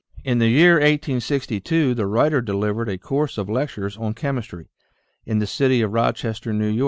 In the year 1862 the writer delivered a course of lectures on chemistry, in the city of Rochester, N. Y.